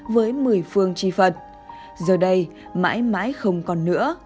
với mười phương chi phật giờ đây mãi mãi không còn nữa